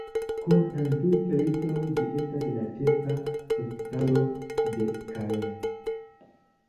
Kun entute litoj, ĝi estas la ĉefa hospitalo de Caen.